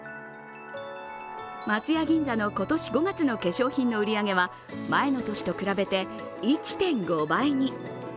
松屋銀座の今年５月の化粧品の売り上げは前の年と比べて１．５倍に。